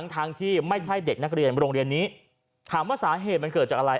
ทั้งที่ไม่ใช่เด็กนักเรียนโรงเรียนนี้ถามว่าสาเหตุมันเกิดจากอะไร